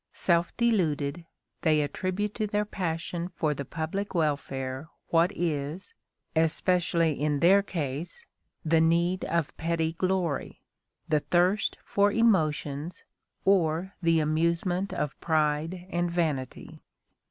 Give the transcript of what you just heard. Self deluded, they attribute to their passion for the public welfare what is, especially in their case, the need of petty glory, the thirst for emotions, or the amusement of pride and vanity.